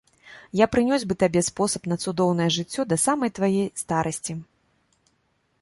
Я прынёс бы табе спосаб на цудоўнае жыццё да самай твае старасці.